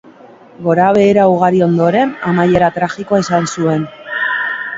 Gora-behera ugari ondoren, amaiera tragikoa izan zuen.